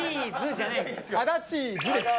アダチーズです。